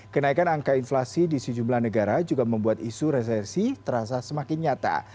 kenaikan angka inflasi di sejumlah negara juga membuat isu resersi terasa semakin nyata